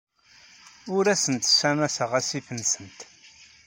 Ur asent-ssamaseɣ asif-nsent.